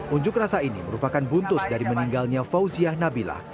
unjuk rasa ini merupakan buntut dari meninggalnya fauziah nabilah